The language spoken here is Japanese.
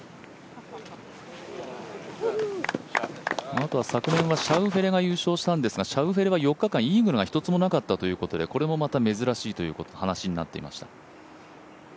あとは昨年はシャウフェレが優勝したんですがシャウフェレは４日間イーグルが一つもなかったということでこれもまた珍しいという話になってました。